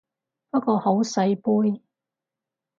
不過好細杯